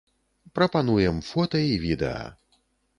Прапануем фота і відэа.